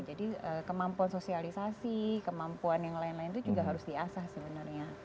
jadi kemampuan sosialisasi kemampuan yang lain lain itu juga harus diasah sebenarnya